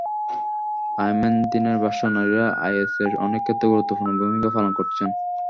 আইমেন দীনের ভাষ্য, নারীরা আইএসের অনেক ক্ষেত্রে গুরুত্বপূর্ণ ভূমিকা পালন করছেন।